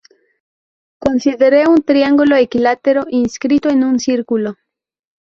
Considere un triángulo equilátero inscrito en un círculo.